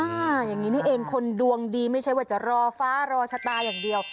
อย่างนี้นี่เองคนดวงดีไม่ใช่ว่าจะรอฟ้ารอชะตาอย่างเดียว